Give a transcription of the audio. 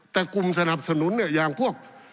แต่กลุ่มสนับสนุนเนี่ยอย่างพวก